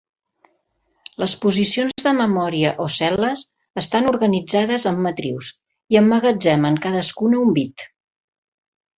Les posicions de memòria o cel·les, estan organitzades en matrius i emmagatzemen cadascuna un bit.